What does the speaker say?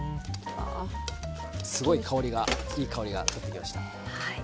すごいいい香りが立ってきました。